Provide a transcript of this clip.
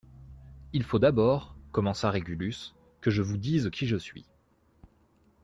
Il faut d'abord, commença Régulus, que je vous dise qui je suis.